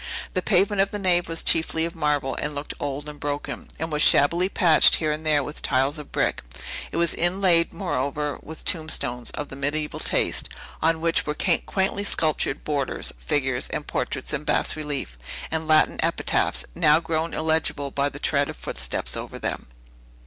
The pavement of the nave was chiefly of marble, and looked old and broken, and was shabbily patched here and there with tiles of brick; it was inlaid, moreover, with tombstones of the mediaeval taste, on which were quaintly sculptured borders, figures, and portraits in bas relief, and Latin epitaphs, now grown illegible by the tread of footsteps over them.